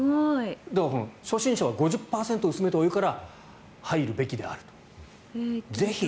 だから、初心者は５０％薄めたお湯から入るべきである。